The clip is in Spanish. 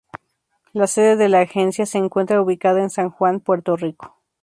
La sede de la agencia se encuentra ubicada en San Juan, Puerto Rico.